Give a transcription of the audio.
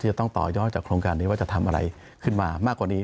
จะต้องต่อยอดจากโครงการนี้ว่าจะทำอะไรขึ้นมามากกว่านี้